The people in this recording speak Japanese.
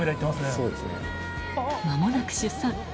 まもなく出産。